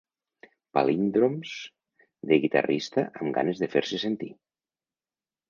Palíndroms de guitarrista amb ganes de fer-se sentir.